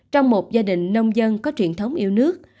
trong một gia đình nông dân có truyền thống yêu nước